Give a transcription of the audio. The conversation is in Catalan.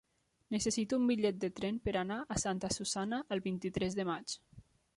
Necessito un bitllet de tren per anar a Santa Susanna el vint-i-tres de maig.